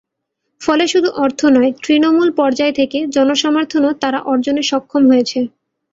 ফলে শুধু অর্থ নয়, তৃণমূল পর্যায় থেকে জনসমর্থনও তারা অর্জনে সক্ষম হয়েছে।